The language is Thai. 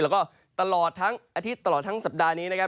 แล้วก็ตลอดทั้งอาทิตย์ตลอดทั้งสัปดาห์นี้นะครับ